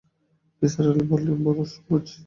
নিসার আলি বললেন, বস মজিদ।